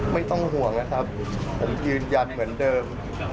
ไม่ต้องห่วงนะครับผมยืนยันเหมือนเดิม